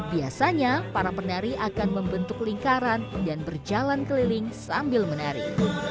biasanya para penari akan membentuk lingkaran dan berjalan keliling sambil menari